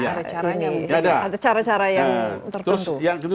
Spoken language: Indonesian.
ada cara cara yang tertentu